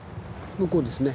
向こうですね。